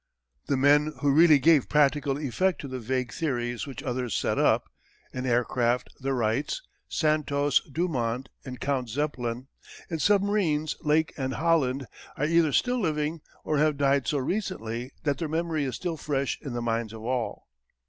The men who really gave practical effect to the vague theories which others set up in aircraft the Wrights, Santos Dumont, and Count Zeppelin; in submarines Lake and Holland are either still living, or have died so recently that their memory is still fresh in the minds of all.